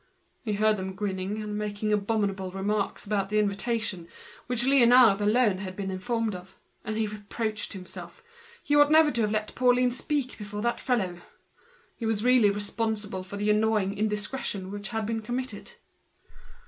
He heard them grinning and making abominable remarks about this invitation, of which Liénard alone had been informed; and he accused himself, he ought not to have let Pauline speak before the latter; he was really responsible for the annoying indiscretion committed.